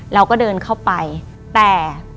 เราก็เดินเข้าไปแต่